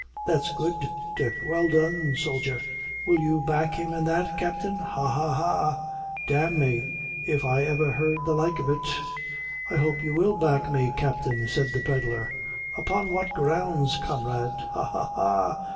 That's good, Dick! Well done, soger! will you back him in that, captain? Ha, ha, ha! D n me, if I ever heard the like of it!" "I hope you will back me, captain," said the pedlar. "Upon what grounds, comrade? Ha, ha, ha!